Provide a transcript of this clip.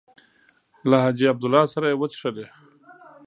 له حاجي عبدالله سره یې وڅښلې.